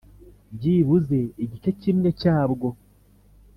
byibuze igice kimwe cyabwo.